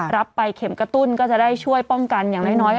รับไปเข็มกระตุ้นก็จะได้ช่วยป้องกันอย่างน้อย